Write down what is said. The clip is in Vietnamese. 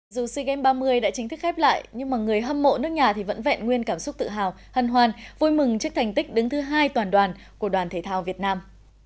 dù sea games ba mươi đã chính thức khép lại nhưng mà người hâm mộ nước nhà thì vẫn vẹn nguyên cảm xúc tự hào hân hoan vui mừng trước thành tích đứng thứ hai toàn đoàn của đoàn thể thao việt nam